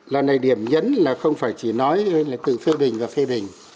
lần này điểm nhấn là không phải chỉ nói là tự phê bình và phê bình